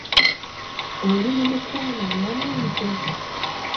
Oli mu mukwano n'omuntu?